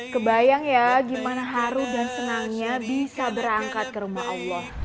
kebayang ya gimana haru dan senangnya bisa berangkat ke rumah allah